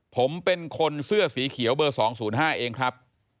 ผมเป็นคนเสื้อสีเขียวเบอร์๒๐๕เองครับ